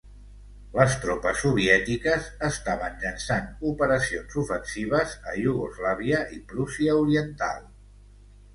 Les tropes soviètiques estaven llançant operacions ofensives a Iugoslàvia i Prússia Oriental.